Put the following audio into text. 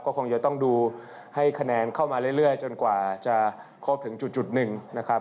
ก็คงจะต้องดูให้คะแนนเข้ามาเรื่อยจนกว่าจะครบถึงจุดหนึ่งนะครับ